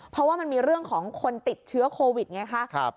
เพราะว่ามันมีเรื่องของคนติดเชื้อโควิดไงคะ